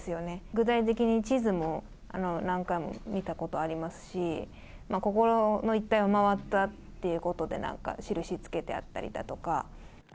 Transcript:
具体的に地図も何回も見たことありますし、ここの一帯を回ったということで、なんか印つけてあったりだとか。